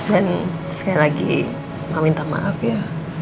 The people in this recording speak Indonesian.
dan sekali lagi mama minta maaf ya